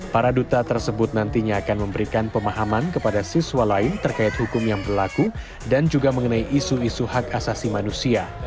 para duta tersebut nantinya akan memberikan pemahaman kepada siswa lain terkait hukum yang berlaku dan juga mengenai isu isu hak asasi manusia